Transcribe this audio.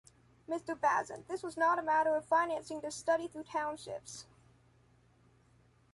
Mister Bazin, this was not a matter of financing this study through townships.